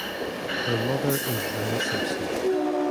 Her mother is Anna Simpson.